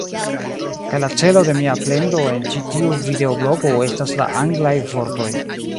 Kaj la celo de mia plendo en ĉi tiu videoblogo estas la anglaj vortoj